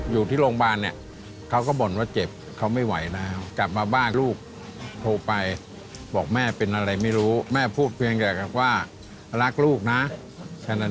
อยู่ที่โรงพยาบาลเนี่ยเขาก็บ่นว่าเจ็บเขาไม่ไหวแล้วกลับมาบ้านลูกโทรไปบอกแม่เป็นอะไรไม่รู้แม่พูดเพียงแต่ว่ารักลูกนะแค่นั้น